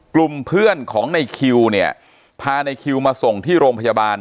กลุ่มเพื่อนของในคิวเนี่ยพาในคิวมาส่งที่โรงพยาบาล